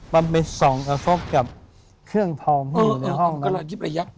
มาไปส่องกับเครื่องพอมที่อยู่ในห้องเขิบ